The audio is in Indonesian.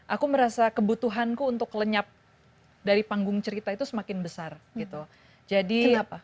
aku merasa kebutuhanku untuk lenyap dari panggung cerita itu semakin besar gitu jadi apa